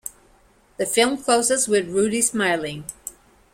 The film closes with Rudy smiling.